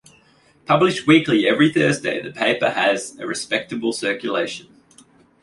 Published weekly every Thursday, the paper has a respectable circulation.